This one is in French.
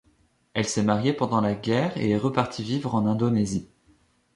Elle s'est mariée pendant la guerre et est repartie vivre en Indonésie.